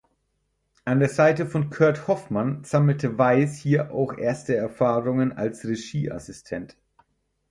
An der Seite von Kurt Hoffmann sammelte Weiss hier auch erste Erfahrungen als Regieassistent.